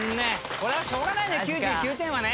これはしょうがないね９９点はね。